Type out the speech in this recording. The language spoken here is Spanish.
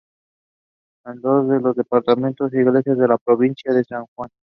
Estos dos en el Departamento Iglesia de la Provincia de San Juan.